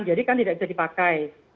jadi kan tidak bisa dipakai